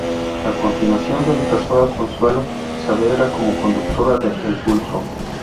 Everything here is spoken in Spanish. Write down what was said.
A continuación reemplazó a Consuelo Saavedra como conductora de "El pulso".